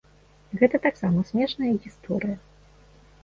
Гэта таксама смешная гісторыя.